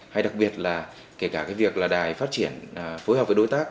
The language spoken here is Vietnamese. hay đặc biệt là kể cả cái việc là đài phát triển phối hợp với đối tác